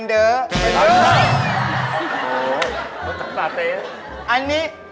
เดี๋ยวทางนี้